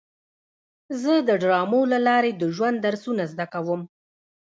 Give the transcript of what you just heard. زه د ډرامو له لارې د ژوند درسونه زده کوم.